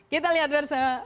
kita lihat bersama